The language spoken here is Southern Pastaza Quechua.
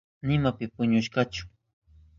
Nima pi puñushkachu.